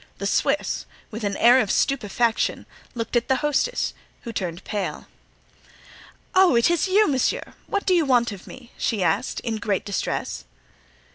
The Swiss, with an air of stupefaction, looked at the hostess, who turned pale. "Ah, it is you, monsieur! What do you want of me?" she asked, in great distress.